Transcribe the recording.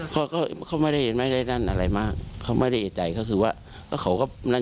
พวกเขาไม่ได้เห็นอะไรไม่ใหญ่ได้แต่ขอเขาก็